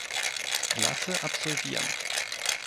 Klasse absolvieren.